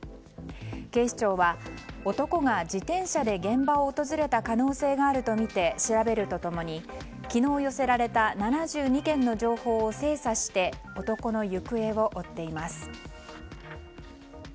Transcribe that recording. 警視庁は、男が自転車で現場を訪れた可能性があるとみて調べると共に、昨日寄せられた７２件の情報を精査して男の行方を追っています。